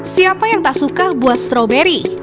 siapa yang tak suka buah stroberi